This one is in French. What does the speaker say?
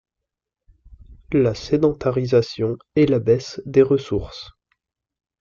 La sédentarisation et la baisse des ressources.